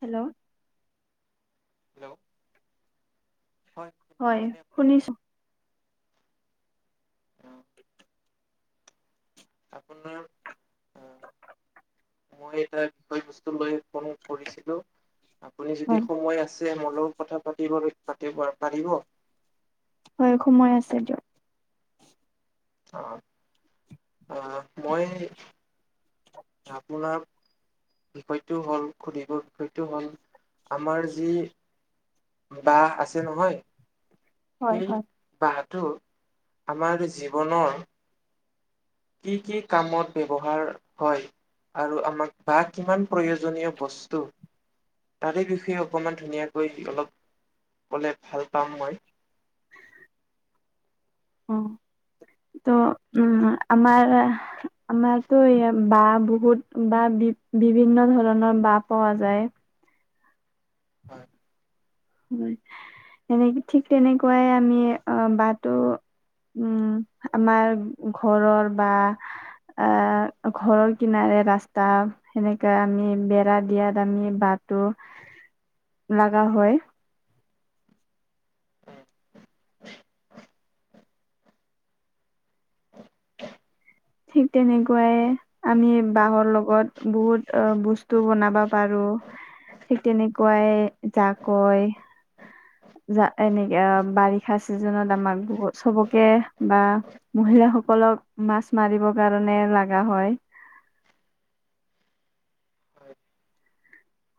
Hello! Hello! হয়, শুনিছেনে আপুনি শুনিছোঁ। আহ, আপোনাৰ আহ, মই এটা বিষয় বস্তুলৈ ফোন কৰিছিলোঁ, আপুনি যদি হয় সময় আ ছে মোৰ লগত কথা পাতিবলৈ, পাতিব পাৰিব? হয়, সময় আছে দিয়ক। অ', অ', মই আপোনাৰ বিষয়টো হ'ল সুধিবৰ বিষয়টো হ'ল আমাৰ যি বা আছে নহয়! হয় সেই হয় বাঁহটো আমাৰ জীৱনৰ কি, কি কামত ব্যৱহাৰ হয়? আৰু আমাক বাঁহ কিমান প্ৰয়োজনীয় বস্তু? তাৰে বিষয়ে অকণমান ধুনীয়াকৈ অলপ ক'লে ভাল পাম মই। অ [unintelligible] ত' উম, আমাৰ আমাৰতো এইয়া বাঁহ বহুত বাঁহ বি-বিভিন্নধৰণৰ বাঁহ পোৱা যায়। হয়। [unintelligible] এনেকে ঠিক তেনেকুৱাই আমি অ', বাঁহটো উম, আমাৰ ঘৰৰ বা আ, ঘৰৰ কিনাৰে ৰাস্তা সেনেকে আমি বেৰা দিয়া দামি বাঁহটো [unintelligible] লাগা হয়। ঠিক তেনেকুৱাইয়ে আমি বাঁহৰ লগত বহুত বস্তু বনাব পাৰোঁ। ঠিক তেনেকুৱাই জাকৈ যা এনেকে বাৰিষা চিজনত আমাক চবকে বা মহিলাসকলক মাছ মাৰিব কাৰণে লাগা হয়।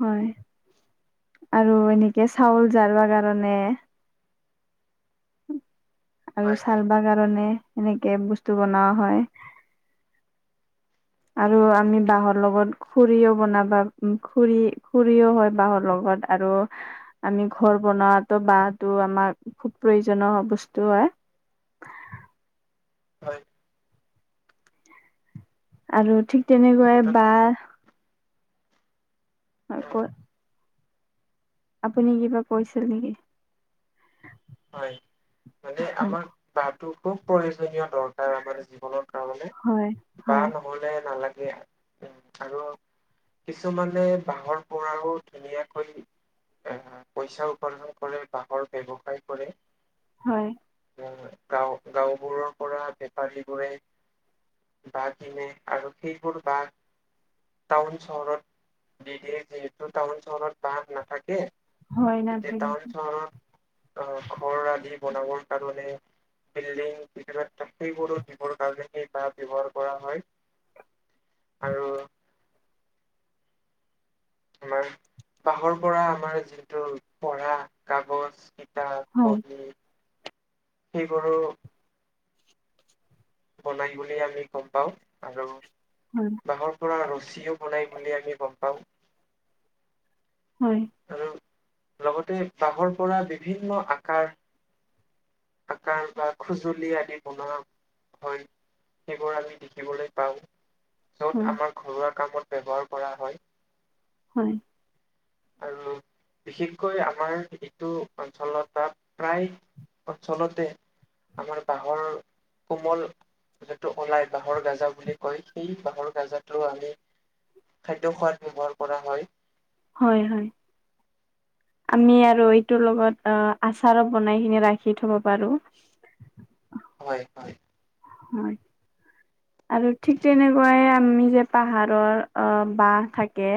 হয়, আৰু এনেকে চাউল জাৰবা কাৰণে আৰু হয় হয় চালবা কাৰণে এনেকে বস্তু বনোৱা হয়। আৰু আমি বাঁহৰ লগত খুৰিও বনাবা খুৰি-খৰিও হয়, বাঁহৰ লগত। আৰু, আমি ঘৰ বনাৱাতো বাঁটো আমাক খুব প্ৰয়োজনীয় বস্তু হয়। হয়। আৰু ঠিক তেনেকৈ‌য়ে মুঠত বাঁহ অ'। আপুনি কিবা কৈছিল নিকি! হয়। মানে আমাক বাঁটো খুব প্ৰয়োজনীয় দৰকাৰ, আমাৰ জীৱনত। তাৰমানে, হয় বাঁ হয় নহলে নালাগে। উ। আৰু কিছুমানে বাঁহৰ পৰাও ধুনীয়াকৈ পইচা উপাৰ্জন কৰে, বাঁহৰ ব্যৱসায় কৰে। হয়। [unintelligible] গাওঁ, গাঁওবোৰৰ পৰা বেপাৰীবোৰে বাঁহ কিনে আৰু সেইবোৰ বাঁহ টাউন চহৰত দি দিয়ে, যিহেতু টাউন চহৰত বাঁহ নাথাকে। হয়, নাথাকে। অ', ঘৰ আদি বনাবৰ কাৰণে বিল্ডিং [unintelligible] সেইবোৰো দিবৰ কাৰণে সেই বাঁহ ব্যৱহাৰ কৰা হয়। আৰু লয়। বাঁহৰ পৰা আমাৰ যিটো পঢ়া, কাগজ, কিতাপ হয়। [unintelligible] সেইবোৰো বনাই বুলি আমি গম পাওঁ। আৰু হয়। বাঁহৰ পৰা ৰছীও বনাই বুলি আমি গম পাওঁ। হয়। আৰু লগতে বাঁহৰ পৰা বিভিন্ন আকাৰ কাৰ বা খুজুলি আদি বনোৱা হয়। সেইবোৰ আমি দেখিবলৈ পাওঁ, য'ত হয় আমাৰ ঘৰুৱা কামত ব্যৱহাৰ কৰা হয়। হয়। আৰু বিশেষকৈ আমাৰ এইটো অঞ্চলত প্ৰায় অঞ্চলতে, আমাৰ বাঁহৰ কোমল যিটো ওলাই বাঁহৰ গাজা বুলি কয়, সেই বাঁহৰ গাজাটো আমি খাদ্য খোৱাত ব্যৱহাৰ কৰা হয়। হয়, হয়। আমি আৰু এইটোৰ লগত অ', আচাৰো বনাই কিনি ৰাখি থব পাৰো। হয়, হয়। হয়। আৰু ঠিক তেনেকুৱাই আমি যে পাহাৰৰ অ', বাঁহ থাকে।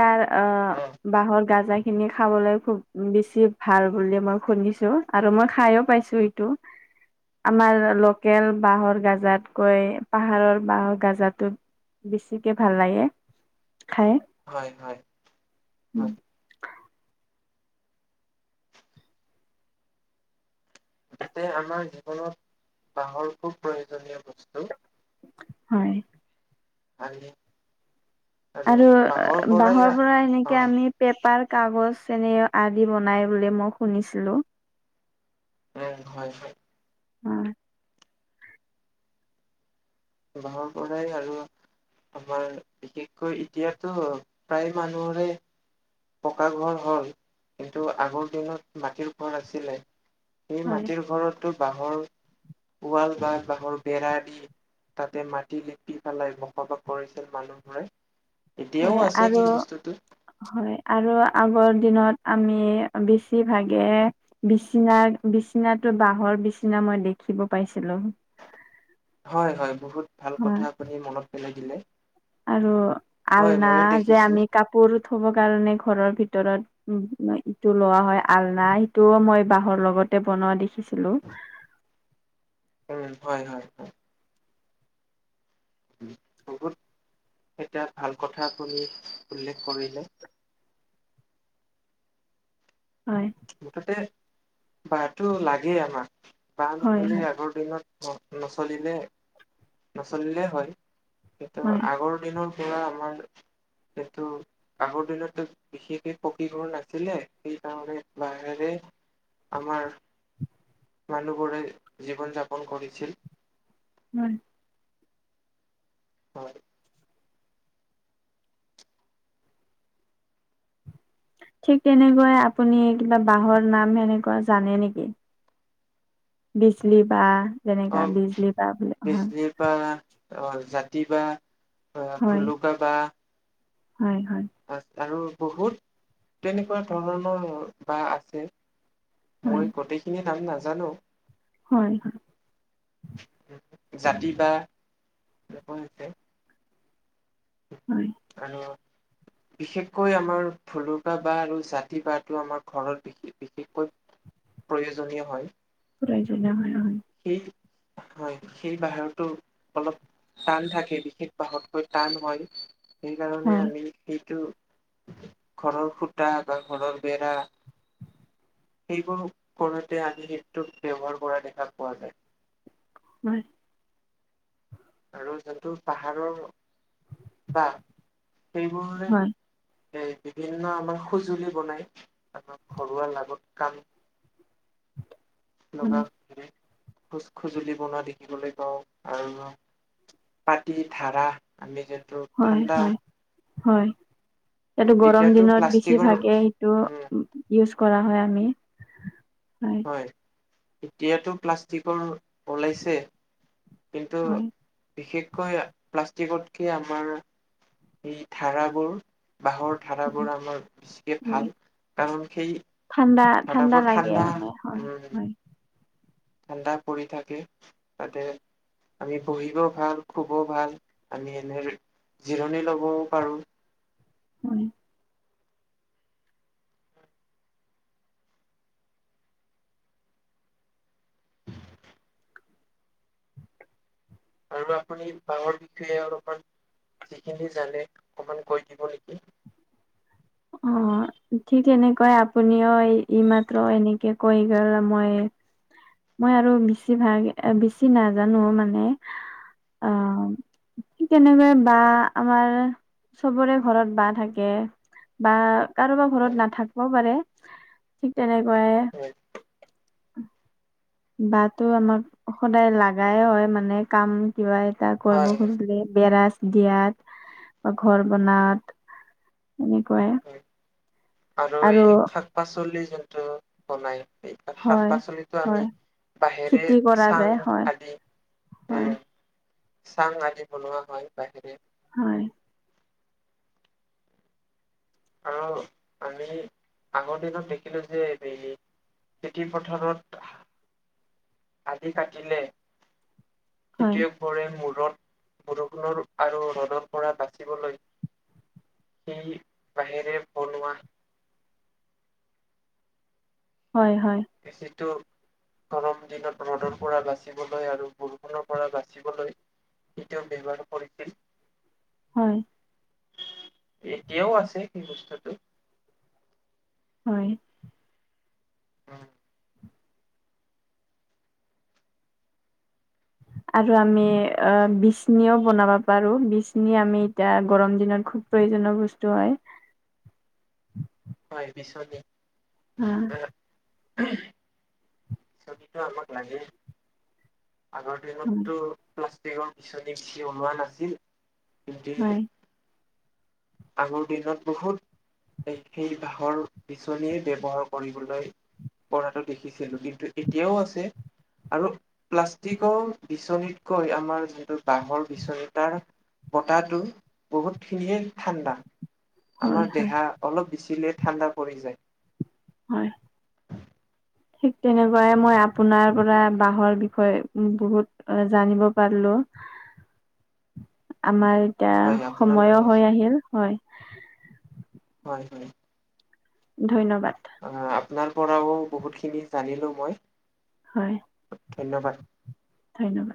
তাৰ অ', বাঁহৰ গাজা খিনি খাবলৈ খুব বেছি ভাল বুলি মই শুনিছো, আৰু মই খায়ো পাইছো এইটো। আমাৰ লকেল- বাঁহৰ গাজাতকৈ, পাহাৰৰ বাঁহৰ গাজাটো বেছিকে ভাল লাগে। খায়। হয়, হয়, হয়। যতে আমাৰ জীৱনত বাঁহৰ খুব প্ৰয়োজনীয় বস্তু। হয়। আলি। আৰু পৰাই বাঁহৰ পৰা অ এনেকে আমি পেপাৰ, কাগজ, চেনে আদি বনাই বুলি মই শুনিছিলো। উম, হয় হয়। উ। ঘৰৰ পৰাই আৰু আমাৰ বিশেষকৈ এতিয়াতো প্ৰায় মানুহৰে পকা ঘৰ হ'ল কিন্তু আগৰ দিনত মাটিৰ ঘৰ আাছিলে। সেই হয় মাটিৰ ঘৰতো বাঁহৰ ওৱাল বা বাঁহৰ বেৰা দি তাতে মাটি লেপি পেলাই বসবাস কৰিছিল মানুহবোৰে। এতিয়াও হয়, আছে আৰু সেই বস্তুটো হয়, আৰু আগৰ দিনত আমি বেছিভাগে বিচনা-বিচনাটো বাঁহৰ বিচনা মই দেখিব পাইছিলোঁ। হয়, হয়, বহুত ভাল কথা হয় আপুনি মনত পেলাই দিলে। আৰু হয় আলনা ময়ো যে দেখিছো আমি কাপোৰ থ'ব কাৰণে ঘৰৰ ভিতৰত উম, ইটো লোৱা হয়, আলনা সিটোও মই বাঁহৰ লগতে বনোৱা দেখিছিলোঁ। হয়, হয়, হয়। বহুত এটা ভাল কথা আপুনি উল্লেখ কৰিলে। হয়। মুঠতে বাঁহটো লাগেই আমাক, বাঁহ হয় নহ'লে হয় আগৰ দিনত ন- নচলিলে, নচলিলে হয়, কিন্তু হয় আগৰ নৰ পৰা আমাক যিহেতু আগৰ দিনতো বিশেষকে পকী ঘৰ নাছিলে, সেইকাৰণে বাহিৰে আমাৰ মানুহবোৰে জীৱন যাপন কৰিছিল। হয়। হয়। ঠিক তেনেকুৱাই আপুনি কিবা বাঁহৰ নাম সেনেকুৱা জানে নেকি? বিজলী বাঁহ, যেনেকা বিজলী বাঁহ বুলি [unintelligible] হয়। বাঁহ, অ', জাতি বাঁহ, ভুলুকা বাঁহ। হয়, হয়। আ- আৰু বহুত তেনেকুৱা ধৰণৰ বাঁহ আছে। মই হয় হয় গোটেইখিনি নাম নাজানো। হয়, হয়। জাতি বাঁহ [unintelligible] হয়। আৰু বিশেষকৈ আমাৰ ভলুকা বাঁহ আৰু জাতি বাঁহ আমাৰ ঘৰত বিশ-বিশেষকৈ প্ৰয়োজনীয় হয়। প্ৰয়োজনীয় হয়, হয়। সেই হয়, সেই [unintelligible] অলপ টান থাকে বিশেষ বাঁহতকৈ টান হয়, সেইকাৰণে হয় আমি সেইটো ঘৰৰ খুঁটা বা ঘৰৰ বেৰা সেইবোৰ কৰোঁতে আনি সেইটোক ব্যৱহাৰ কৰা দেখা পোৱা যায়। হয়। আৰু যোনটো পাহাৰৰ বাঁহ সেইবোৰে এই বিভিন্ন আমাৰ সঁজুলি বনাই আৰু ঘৰুৱা লাগত কাম লগা হয় [unintelligible] খোজ- খজুলি বনোৱা দেখিবলৈ পাওঁ আৰু পাতি ধাৰা আমি যিহেতু হয়, হয়, হয়। এইটো গৰম এতিয়াতো দিনত প্লাষ্টিকৰ বেছিভাগে সেইটো উম উ ইউজ কৰা হয়, আমি হয়। হয়, এতিয়াতো প্লাষ্টিকৰ ওলাইছে। কিন্তু হয় বিশেষকৈ প্লাষ্টিকতকে আমাৰ এই ধাৰাবোৰ বাঁহৰ হয় ধাৰাবোৰ আমাৰ বেছিকে হয় ভাল কাৰণ সেই ঠাণ্ডা, ঠাণ্ডা লাগে মানে হয়। উম হয় ঠাণ্ডা পৰি থাকে, তাতে আমি বহিবও ভাল, খুবও ভাল আমি এনে জিৰণি ল'বও পাৰোঁ। হয়। আৰু আপুনি বাঁহৰ বিষয়ে অলপমান যিখিনি জানে অকমান কৈ দিব নেকি? অ'। ঠিক তেনেকৈ আপুনিও এই- এইমাত্ৰ এনেকে কৈ গ'ল মই মই আৰু বেছিভাল বেছি নাজানো মানে। অ' ঠিক তেনেকৈয়ে বাঁহ আমাৰ চবৰে ঘৰত বাঁহ থাকে। বা কাৰোবাৰ ঘৰত হয় নাথাকিবও পাৰে ঠিক তেনেকৈ হয়। বাঁহটো আমাক সদায় লাগাই হয়, মানে কাম কিবা এটা কৰিব হয় খুজিলে বেৰাজ দিয়াত বা ঘৰ বনাত সেনেকৈয়ে আৰু এই শাকপাচলি যোনটো বনায় এই শাক হয় পাচলিতো হয় আমি বাঁহেৰে খেতি কৰা যায় চাং হয় আদি এ হয়। চাং আদি বনোৱা হয়, বাঁহেৰে। হয়। আৰু আমি আগৰ দিনত দেখিলোঁ যে [unintelligible] খেতি পথাৰত আধি কাটিলে হয় খেতিয়ক বোৰে মূৰত বৰষুণৰ আৰু ৰ'দৰ পৰা বাচিবলৈ সি বাঁহেৰে বনোৱা হয়, হয়। বেচিটো গৰম দিনত ৰ'দৰ পৰা বাচিবলৈ আৰু বৰষুণৰ পৰা বাচিবলৈ কেতিয়াও ব্যৱহাৰ কৰিছিল হয়। এতিয়াও আছে সেই বস্তুটো। হয়। অ'। আৰু আমি বিচনিও বনাব পাৰোঁ, বিচনি আমি এতিয়া গৰম দিনত খুব প্ৰয়োজনীয় বস্তু হয়। হয়, বিছনী হয় [unintelligible] বিছনীটো আমাক লাগেই। আগৰ দিনতো প্লাষ্টিকৰ বিচনী বেছি ওলোৱা নাছিল, কিন্তু হয় আগৰ দিনত বহুত সেই, সেই বাঁহৰ বিচনীয়ে ব্যৱহাৰ কৰিবলৈ কৰাটো দেখিছিলোঁ কিন্তু এতিয়াও আছে আৰু প্লাষ্টিকৰ বিচনীতকৈ আমাৰ যোনটো বাঁহৰ বিচনী তাৰ বতাহটো বহুতখিনিয়ে ঠাণ্ডা, হয় আমাৰ হয় হয় দেহা অলপ বিচিলেই ঠাণ্ডা পৰি যায়। হয়। [inaudible] ঠিক তেনেকুৱাই মই আপোনাৰ পৰা বাঁহৰ বিষয়ে বহুত জানিব পাৰলোঁ। [inaudible] আমাৰ এতিয়া হয় আপোনাৰ সময়ো লাগে। হৈ আহিল, হয়। হয়, হয়। ধন্যবাদ। অ', আপোনাৰ পৰাও বহুতখিনি জানিলোঁ মই। হয়। ধন্যবাদ। ধন্যবাদ।